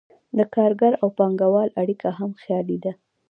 د کارګر او پانګهوال اړیکه هم خیالي ده.